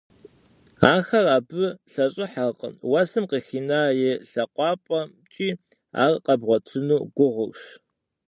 Ахэр абы лъэщIыхьэркъым, уэсым къыхина и лъакъуапIэмкIи ар къэбгъуэтыну гугъущ.